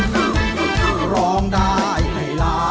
ดูเขาเล็ดดมชมเล่นด้วยใจเปิดเลิศ